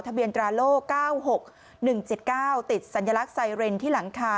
เบียนตราโล่๙๖๑๗๙ติดสัญลักษณ์ไซเรนที่หลังคา